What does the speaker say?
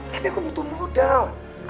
tapi aku butuh modal